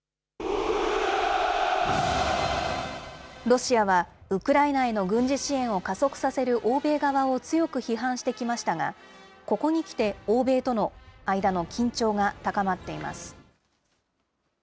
ロシアは、ウクライナへの軍事支援を加速させる欧米側を強く批判してきましたが、ここにきて欧米との間の緊張が高まっています。